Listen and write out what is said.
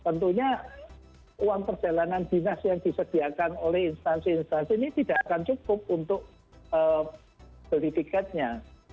tentunya uang perjalanan dinas yang disediakan oleh instansi instansi ini tidak akan cukup untuk beli tiketnya